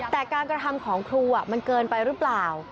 แต่การกระทำของครูมันเกินไปหรือเปล่า